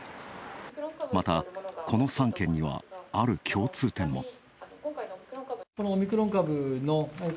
また、この３県にはある共通点も。